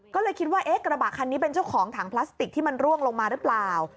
ก็เลยคิดว่าเอ๊ะกระบะคันนี้เป็นเจ้าของถังพลาสติกที่มันร่วงลงมาหรือเปล่า